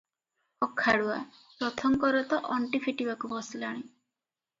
ଅଖାଡୁଆ! "ରଥଙ୍କର ତ ଅଣ୍ଟି ଫିଟିବାକୁ ବସିଲାଣି ।